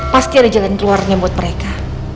pasti ada jalan keluarnya buat mereka